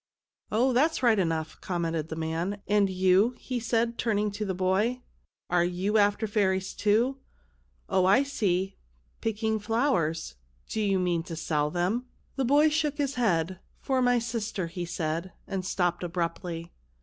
" Oh, that's right enough," commented the man ;" and you," he said, turning to the boy, " are you after fairies, too ? Oh, I see ; picking flowers. Do you mean to sell them ?" The boy shook his head. " For my sister," he said, and stopped abruptly.